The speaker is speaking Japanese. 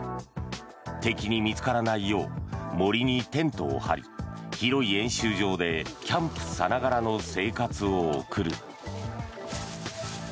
敵に見つからないよう森にテントを張り広い演習場でキャンプさながらの生活を送る。